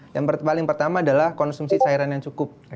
yang paling pertama adalah konsumsi cairan yang cukup